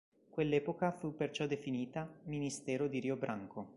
Quell'epoca fu perciò definita "Ministero di Rio Branco".